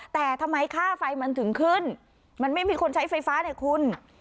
แต่ทำไมค่าไฟมันถึงขึ้นมันไม่มีคนใช้ไฟฟ้าเนี่ยคุณ